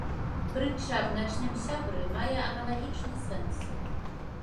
Прытча аб начным сябры мае аналагічны сэнс.